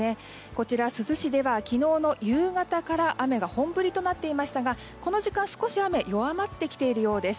こちら、珠洲市では昨日の夕方から雨が本降りとなっていましたがこの時間は、少し雨は弱まってきているようです。